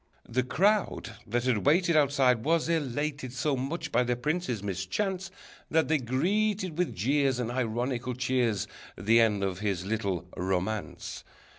_] The crowd that had waited Outside was elated So much by the prince's mischance, That they greeted with jeers And ironical cheers, The end of his little romance.